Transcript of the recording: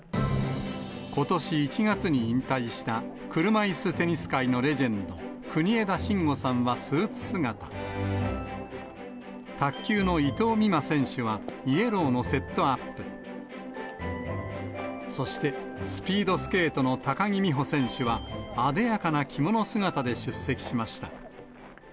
ことし１月に引退した車いすテニス界のレジェンド、国枝慎吾さんはスーツ姿、卓球の伊藤美誠選手はイエローのセットアップ、そしてスピードスケートの高木美帆選手は、あでやかな着物姿で出席しました。